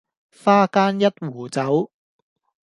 花間一壺酒，